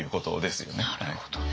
なるほどね。